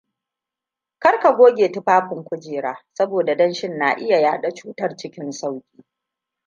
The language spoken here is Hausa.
Kar ka goge tufafin kujera, saboda danshin na iya yaɗa cutar da sauki.